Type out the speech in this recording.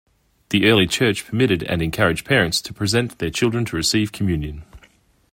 The Early Church permitted and encouraged parents to present their children to receive communion.